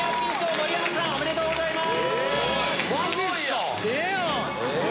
盛山さんおめでとうございます！